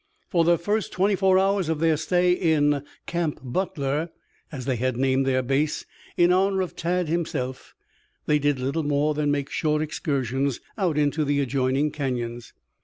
For the first twenty four hours of their stay in "Camp Butler," as they had named their base in honor of Tad himself, they did little more than make short excursions out into the adjoining canyons.